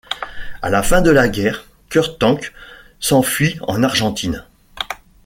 À la fin de la guerre, Kurt Tank s’enfuit en Argentine.